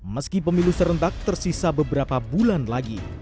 meski pemilu serentak tersisa beberapa bulan lagi